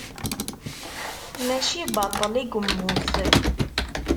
Mačči baṭel i yemmut.